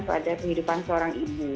membawa perubahan pada kehidupan seorang ibu